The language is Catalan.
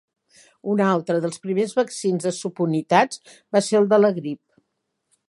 Una altra dels primers vaccins de subunitats va ser el de la grip.